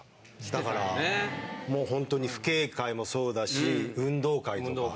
だからもうほんとに父兄会もそうだし運動会とか。